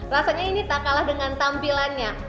rasanya ini tak kalah dengan tampilannya